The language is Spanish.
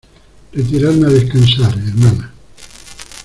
retirarme a descansar, hermana.